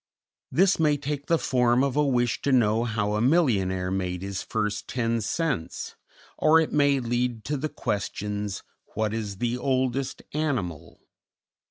This may take the form of a wish to know how a millionaire made his first ten cents, or it may lead to the questions What is the oldest animal?